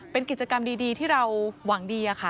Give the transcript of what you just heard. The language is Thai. เป็นกิจกรรมดีที่เราหวังดีค่ะ